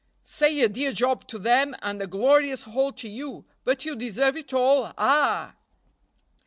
"Say a dear job to them and a glorious haul to you; but you deserve it all, ah!"